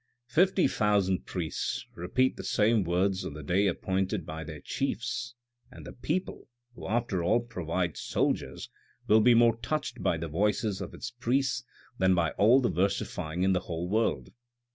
" Fifty thousand priests repeat the same words on the day appointed by their chiefs, and the people — who after all provide soldiers — will be more touched by the voices of its priests than by all the versifying in the whole world."